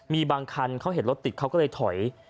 มีบางคันเขาเห็นรถติดเขาก็เลยถอย